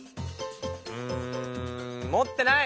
うん持ってない。